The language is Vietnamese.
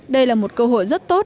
đây là một cơ hội rất tốt